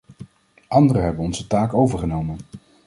Anderen hebben onze taak overgenomen.